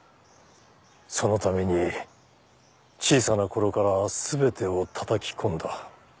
そのために小さなころから全てをたたきこんだ。